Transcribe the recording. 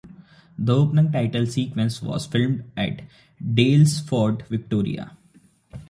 The opening title sequence was filmed at Daylesford, Victoria.